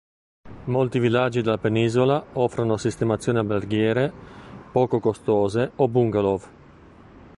Molti villaggi della penisola offrono sistemazioni alberghiere poco costose o bungalow.